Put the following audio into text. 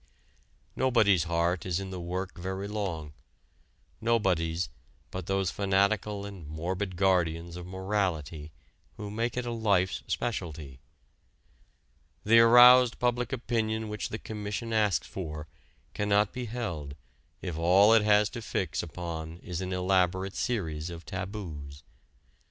Nobody's heart is in the work very long; nobody's but those fanatical and morbid guardians of morality who make it a life's specialty. The aroused public opinion which the Commission asks for cannot be held if all it has to fix upon is an elaborate series of taboos.